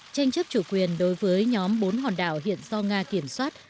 tranh chấp chủ quyền đối với nhóm bốn hòn đảo hiện do nga kiểm soát